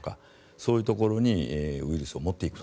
そういうところにウイルスを持っていくと。